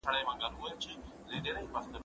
زه به سبا مړۍ وخورم!!